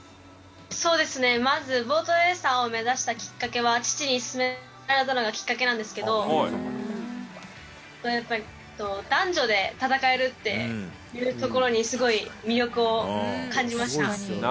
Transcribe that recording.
まずボートレーサーを目指したきっかけは、父に勧められたのがきっかけなんですけど、男女で戦えるっていうところに、すごい魅力を感じました。